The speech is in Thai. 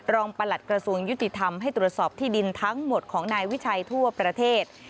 ประหลัดกระทรวงยุติธรรมให้ตรวจสอบที่ดินทั้งหมดของนายวิชัยทั่วประเทศ